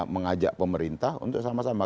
mengajak pemerintah untuk sama sama